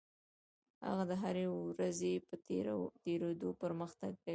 هغه د هرې ورځې په تېرېدو پرمختګ کوي.